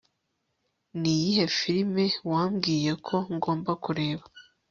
Niyihe firime wambwiye ko ngomba kureba